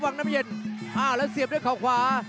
วังน้ำเย็นเป็นเรื่องขวา